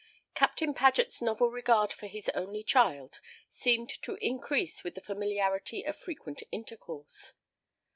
Captain Paget's novel regard for his only child seemed to increase with the familiarity of frequent intercourse.